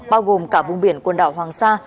bao gồm cả vùng biển quần đảo hoàng sa